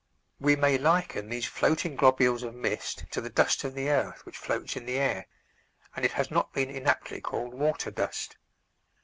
We may liken these floating globules of mist to the dust of the earth which floats in the air, and it has not been inaptly called water dust.